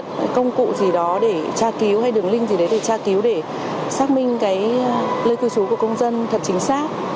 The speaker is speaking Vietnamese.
không có một cái công cụ gì đó để tra cứu hay đường link gì đấy để tra cứu để xác minh cái lời cứu trú của công dân thật chính xác